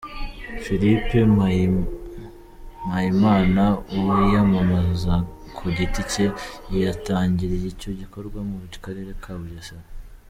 Philippe Mpayimana wiyamamaza ku giti cye yatangiriye icyo gikorwa mu karere ka Bugesera.